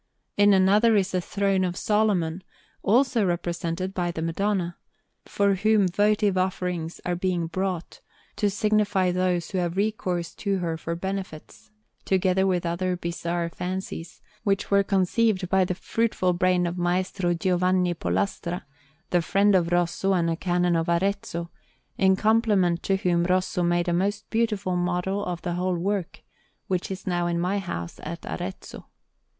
In another is the Throne of Solomon, also represented by the Madonna, to whom votive offerings are being brought, to signify those who have recourse to her for benefits: together with other bizarre fancies, which were conceived by the fruitful brain of M. Giovanni Pollastra, the friend of Rosso and a Canon of Arezzo, in compliment to whom Rosso made a most beautiful model of the whole work, which is now in my house at Arezzo.